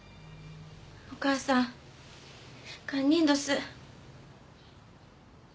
おかあさん堪忍どす。